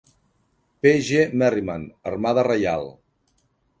P. G. Merriman, Armada Reial.